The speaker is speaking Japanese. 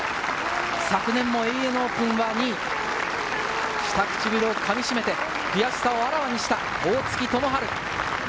昨年もＡＮＡオープンは２位、下唇をかみしめて悔しさをあらわにした大槻智春。